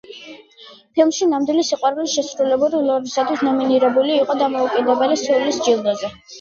ფილმში „ნამდვილი სიყვარული“ შესრულებული როლისთვის ნომინირებული იყო დამოუკიდებელი სულის ჯილდოზე.